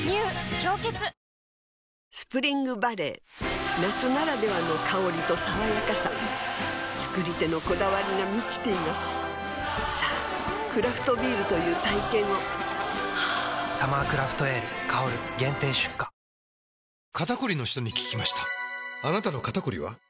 「氷結」スプリングバレー夏ならではの香りと爽やかさ造り手のこだわりが満ちていますさぁクラフトビールという体験を「サマークラフトエール香」限定出荷初めまして。